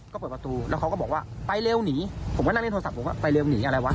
ก็เปิดประตูแล้วเขาก็บอกว่าไปเร็วหนีผมก็นั่งเล่นโทรศัพท์ผมก็ไปเร็วหนีอะไรวะ